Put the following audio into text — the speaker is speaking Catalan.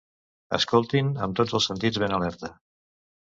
Escoltin amb tots els sentits ben alerta.